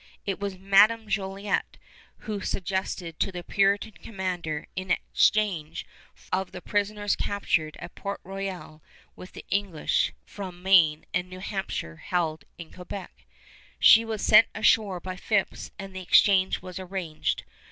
It was Madame Jolliet who suggested to the Puritan commander an exchange of the prisoners captured at Port Royal with the English from Maine and New Hampshire held in Quebec. She was sent ashore by Phips and the exchange was arranged.